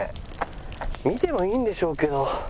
見てもいいんでしょうけど。